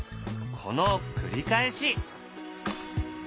この繰り返し。